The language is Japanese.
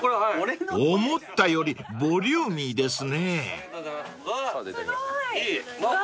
［思ったよりボリューミーですね］